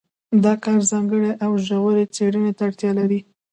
دا کار ځانګړې او ژورې څېړنې ته اړتیا لري.